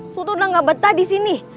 sultan udah gak betah disini